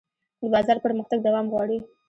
د بازار پرمختګ دوام غواړي.